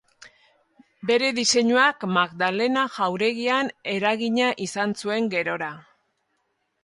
Bere diseinuak Magdalena jauregian eragina izan zuen gerora.